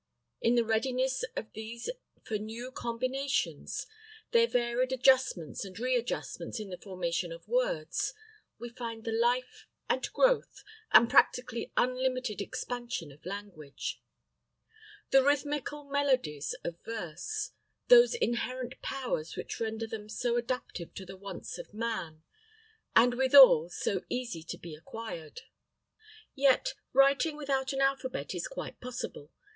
In the readiness of these for new combinations, their varied adjustments and readjustments in the formation of words, we find the life and growth, and practically unlimited expansion of language; the rhythmical melodies of verse; those inherent powers which render them so adaptive to the wants of man; and withal, so easy to be acquired. Yet writing without an alphabet is quite possible.